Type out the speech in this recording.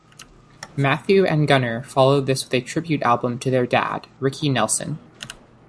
Matthew and Gunnar followed this with a tribute album to their dad, Ricky Nelson.